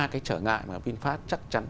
ba cái trở ngại mà vinfast chắc chắn